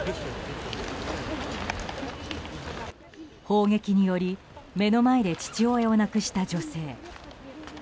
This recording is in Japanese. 砲撃により目の前で父親を亡くした女性。